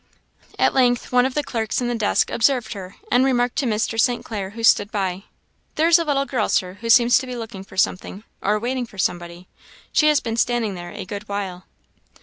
At length one of the clerks in the desk observed her, and remarked to Mr. St. Clair, who stood by, "There is a little girl, Sir, who seems to be looking for something, or waiting for somebody; she has been standing there a good while."